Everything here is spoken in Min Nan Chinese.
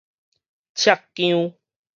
赤韁